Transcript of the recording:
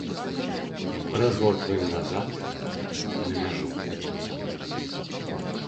Разгортваем назад на мяжу.